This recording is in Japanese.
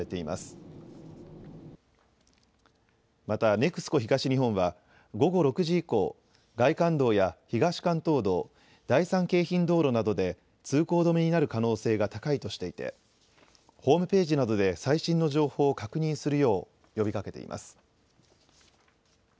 また、ＮＥＸＣＯ東日本は午後６時以降、外環道や東関東道、第三京浜道路などで通行止めになる可能性が高いとしていてホームページなどで最新の情報を確認するよう呼びかけています。